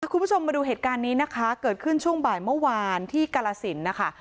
คุณผู้ชมมาดูเหตุการณ์นี้นะคะเกิดขึ้นช่วงบ่ายเมื่อวานที่กาลสินนะคะ